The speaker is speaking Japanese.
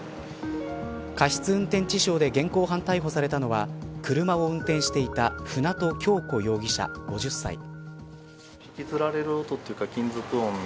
過失運転致傷で現行犯逮捕されたのは車を運転していた舟渡今日子容疑者、５０歳。